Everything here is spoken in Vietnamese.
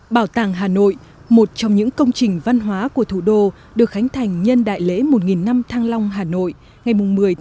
bảo tàng hà nội một trong những công trình văn hóa của thủ đô được khánh thành nhân đại lễ một năm thăng long hà nội ngày một mươi một mươi hai nghìn một mươi